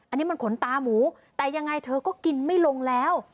อันนี้มันขนตาหมูแต่ยังไงเธอก็กินไม่ลงแล้ว